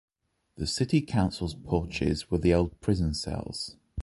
The city council’s porches were the old prison cells.